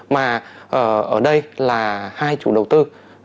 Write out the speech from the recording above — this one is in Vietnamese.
mà ở đây là hai chủ đầu tư